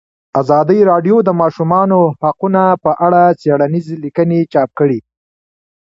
ازادي راډیو د د ماشومانو حقونه په اړه څېړنیزې لیکنې چاپ کړي.